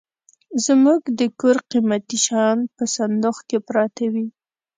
زموږ د کور قيمتي شيان په صندوخ کي پراته وي.